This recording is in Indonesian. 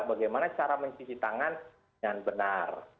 bagaimana cara mencisi tangan yang benar